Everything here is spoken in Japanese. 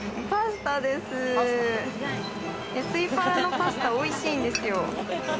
スイパラのパスタ、おいしいんですよ。